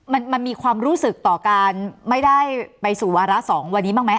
มันมันมีความรู้สึกต่อการไม่ได้ไปสู่วาระสองวันนี้บ้างไหม